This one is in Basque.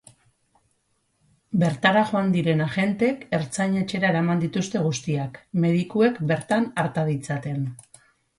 Bertara joan diren agenteek ertzain-etxera eraman dituzte guztiak, medikuek bertan arta ditzaten.